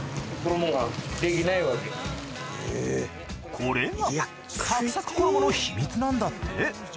これがサクサク衣の秘密なんだって。